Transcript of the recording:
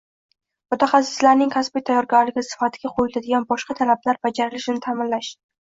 mutaxassislarning kasbiy tayyorgarligi sifatiga qo`yiladigan boshqa talablar bajarilishini ta’minlash;